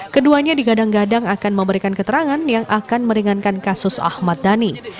keduanya digadang gadang akan memberikan keterangan yang akan meringankan kasus ahmad dhani